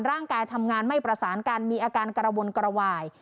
ทำงานไม่ประสานกันมีอาการกระวนกระวาย